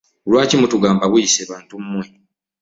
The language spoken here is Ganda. Lwaki mutugamba buyise bantu mmwe?